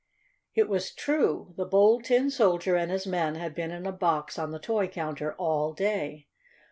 It was true; the Bold Tin Soldier and his men had been in a box on the toy counter all day.